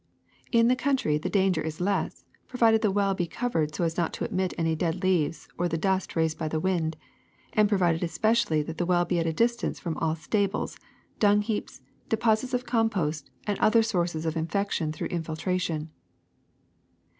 *^In the country the danger is less, provided the well be covered so as not to admit any dead leaves or the dust raised by the wind ; and provided especially that the well be at a distance from all stables, dung heaps, deposits of compost^ and other sources of in fection through infiltration.